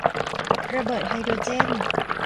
ระเบิดไฮโดรเจน